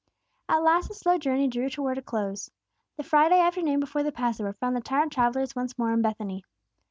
At last the slow journey drew towards a close. The Friday afternoon before the Passover found the tired travellers once more in Bethany.